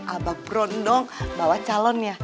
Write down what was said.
abah berondong bawa calonnya